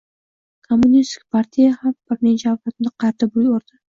Kommunistik partiya ham bir necha avlodni qaritib ulgurdi